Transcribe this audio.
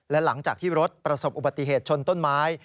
และหลังจากที่รถประสบอุบัติเหตุชนต้นไม้